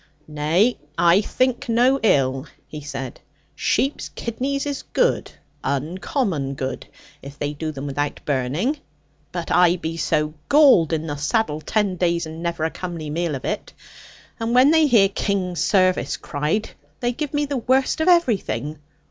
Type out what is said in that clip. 'Nay, I think no ill,' he said; 'sheep's kidneys is good, uncommon good, if they do them without burning. But I be so galled in the saddle ten days, and never a comely meal of it. And when they hear "King's service" cried, they give me the worst of everything.